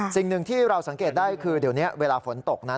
สิ่งหนึ่งที่เราสังเกตได้คือเดี๋ยวนี้เวลาฝนตกนั้น